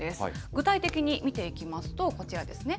具体的に見ていきますと、こちらですね。